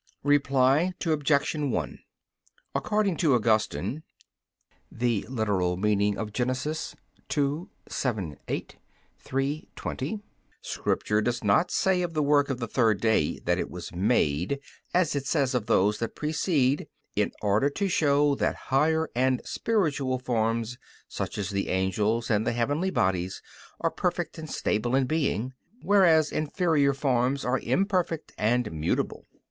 Reply Obj. 1: According to Augustine [*Gen. ad lit. ii, 7, 8; iii, 20], Scripture does not say of the work of the third day, that it was made, as it says of those that precede, in order to show that higher and spiritual forms, such as the angels and the heavenly bodies, are perfect and stable in being, whereas inferior forms are imperfect and mutable.